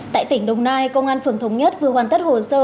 tại tỉnh đồng nai công an phường thống nhất vừa hoàn tất hồ sơ